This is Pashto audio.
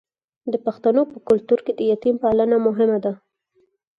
د پښتنو په کلتور کې د یتیم پالنه مهمه ده.